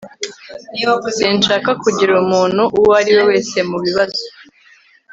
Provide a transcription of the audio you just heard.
sinshaka kugira umuntu uwo ari we wese mu bibazo